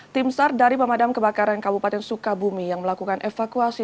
timsar dari pemadam kebakaran kabupaten sukabumi yang melakukan evakuasi